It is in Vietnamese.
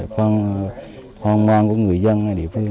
khoan ngoan của người dân